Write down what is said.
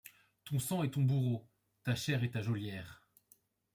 Ton sang est ton bourreau, ta chair est ta geôlière ;